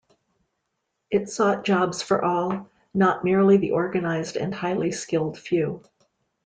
It sought jobs for all, not merely the organised and highly skilled few.